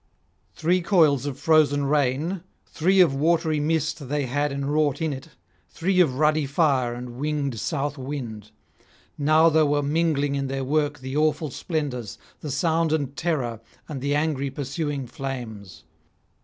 Three coils of frozen rain, three of watery mist they had enwrought in it, three of ruddy fire and winged south wind; now they were mingling in their work the awful splendours, the sound and terror, and the [432 469]angry pursuing flames.